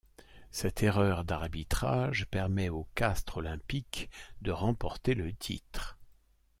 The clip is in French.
Cette erreur d'arbitrage permet au Castres olympique de remporter le titre.